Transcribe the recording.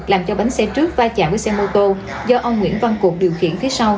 làm cho bánh xe trước va chạm với xe mô tô do ông nguyễn văn cuộc điều khiển phía sau